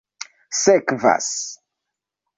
sekvas